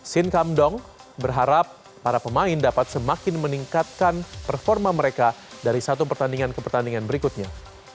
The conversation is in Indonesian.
shin kamdong berharap para pemain dapat semakin meningkatkan performa mereka dari satu pertandingan ke pertandingan berikutnya